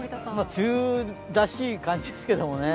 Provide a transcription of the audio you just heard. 梅雨らしい感じですけどね。